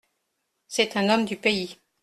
C’est un homme du pays.